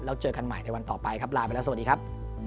แล้วเจอกันใหม่ในวันต่อไปครับลาไปแล้วสวัสดีครับ